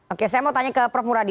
oke saya mau tanya ke prof muradi